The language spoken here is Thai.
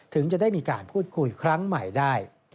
ถึงจะได้มีการพูดคุยครั้งใหม่ได้